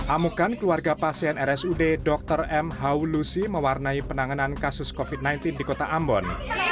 amukan keluarga pasien rsud dr m haulusi mewarnai penanganan kasus covid sembilan belas di kota ambon